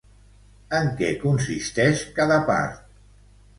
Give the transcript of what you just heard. En què consisteix cada part?